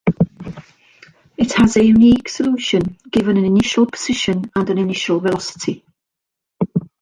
It has a unique solution, given an initial position and an initial velocity.